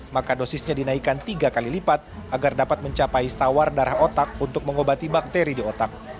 maka dosisnya dinaikkan tiga kali lipat agar dapat mencapai sawar darah otak untuk mengobati bakteri di otak